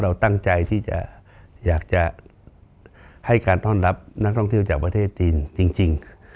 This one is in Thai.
เราตั้งใจที่จะอยากจะให้การต้อนรับนักท่องเที่ยวจากประเทศจีนจริง